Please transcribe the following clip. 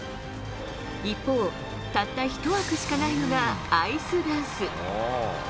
一方、たった１枠しかないのがアイスダンス。